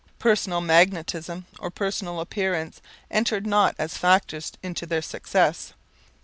Personal magnetism or personal appearance entered not as factors into their success.